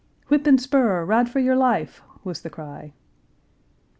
"Whip and spur, ride for your life!" was the cry.